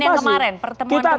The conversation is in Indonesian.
sebenarnya pertemuan yang kemarin